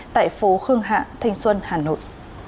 tại phố khương hạ thanh xuân hà nội